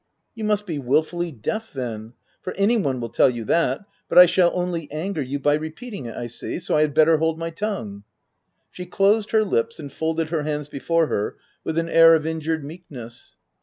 " You must be wilfully deaf then ; for any one will tell you that — but I shall only anger you by repeating it, I see ; so I had better hold my tongue." 156 THE TENANT She closed her lips and folded her hands before her with an air of injured meekness.